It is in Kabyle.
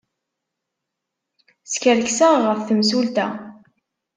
Skerkseɣ ɣef temsulta.